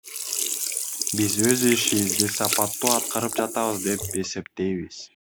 Биз өз ишибизди сапаттуу аткарып жатабыз деп эсептейбиз.